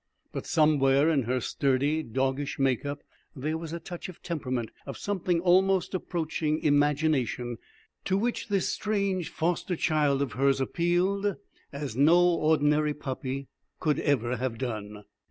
But somewhere in her sturdy doggish make up there was a touch of temperament, of something almost approaching imagination, to which this strange foster child of hers appealed as no ordinary puppy could ever have done.